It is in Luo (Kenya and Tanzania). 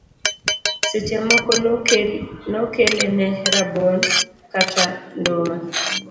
Seche moko nokele ne rabuon kata nduma.